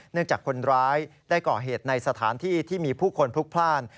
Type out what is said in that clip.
จากคนร้ายได้ก่อเหตุในสถานที่ที่มีผู้คนพลุกพลาด